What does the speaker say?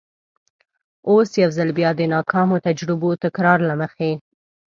اوس یو ځل بیا د ناکامو تجربو تکرار له مخې.